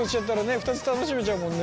２つ楽しめちゃうもんね。